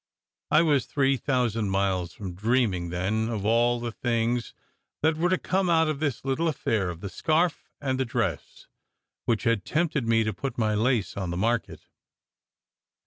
I was three thousand miles from dreaming then of all the things that were to come out of this little affair of the scarf and the dress which had tempted me to put my lace on the market.